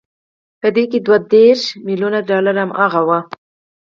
په دې کې دوه دېرش ميليونه ډالر هماغه وو